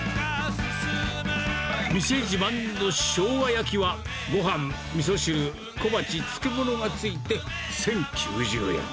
店自慢のしょうが焼きは、ごはん、みそ汁、小鉢、漬物が付いて１０９０円。